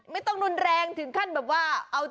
ไม่ต้องรุนแรงถึงขั้นแบบว่า